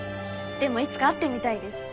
でもいつか会ってみたいです。